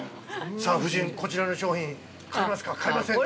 ◆さあ夫人、こちらの商品、買いますか、買いませんか？